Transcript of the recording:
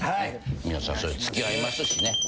皆さんそれ付き合いますしね。